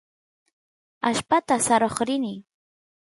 allpata saroq rini